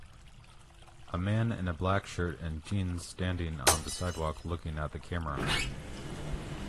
A man in a black shirt and jeans standing on the sidewalk looking at the camera.